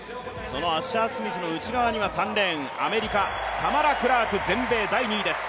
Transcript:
アッシャー・スミスの内側には３レーン、アメリカ、タマラ・クラーク、全米第２位です。